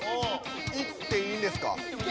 いっていいんですか？